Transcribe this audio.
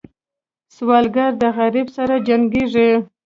سوالګر د غربت سره جنګېږي